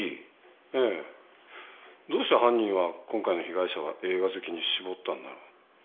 ええ。どうして犯人は今回の被害者は映画好きに絞ったんだろう？